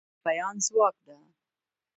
ژبه د بیان ځواک ده.